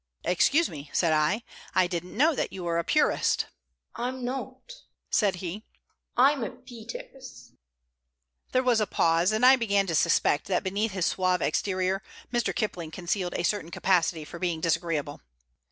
"Excuse me," said I. "I didn't know that you were a purist." "I'm not," said he. "I'm a Peters." There was a pause, and I began to suspect that beneath his suave exterior Mr. Kipling concealed a certain capacity for being disagreeable.